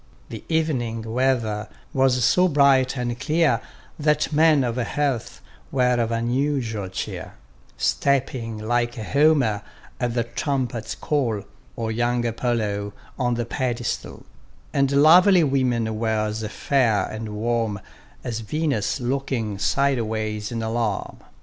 The evening weather was so bright, and clear, That men of health were of unusual cheer; Stepping like Homer at the trumpet's call, Or young Apollo on the pedestal: And lovely women were as fair and warm, As Venus looking sideways in alarm.